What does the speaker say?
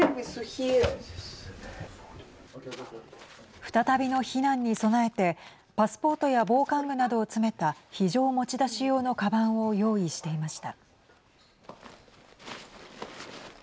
再びの避難に備えてパスポートや防寒具などを詰めた非常持ち出し用のかばんを用意していました。